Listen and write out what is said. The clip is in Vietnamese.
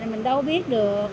mình đâu biết được